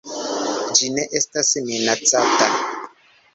Ĝi ne estas minacata.